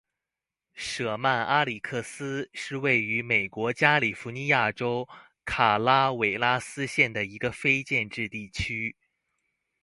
舍曼阿克里斯是位于美国加利福尼亚州卡拉韦拉斯县的一个非建制地区。